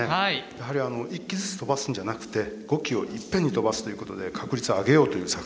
やはり１機ずつ飛ばすんじゃなくて５機をいっぺんに飛ばすということで確率を上げようという作戦ですね。